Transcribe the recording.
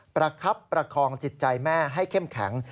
ประคับประคองจิตใจแม่ให้เข้มแข็ง